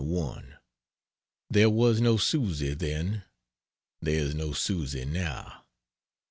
There was no Susy then there is no Susy now.